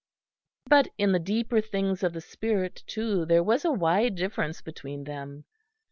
But in the deeper things of the spirit, too, there was a wide difference between them.